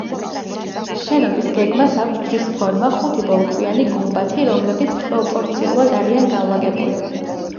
შენობის გეგმას აქვს ჯვრის ფორმა, ხუთი ბოლქვიანი გუმბათი, რომლებიც პროპორციულად არიან განლაგებული.